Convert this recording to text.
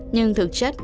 nhưng thực chất